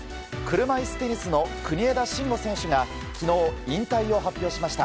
車いすテニスの国枝慎吾選手が昨日、引退を発表しました。